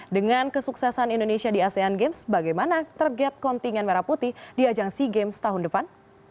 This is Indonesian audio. dengan kesuksesan indonesia di asean games bagaimana target kontingen merah putih di ajang sea games tahun depan